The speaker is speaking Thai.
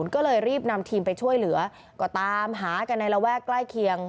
ก็เลยรีบนำทีมไปช่วยเหลือก็ตามหากันในระแวกใกล้เคียง